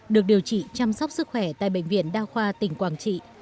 được điều trị chăm sóc sức khỏe tại bệnh viện đa khoa tỉnh quảng trị